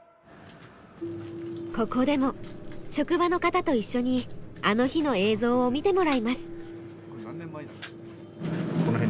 ここでも職場の方と一緒に「あの日」の映像を見てもらいます。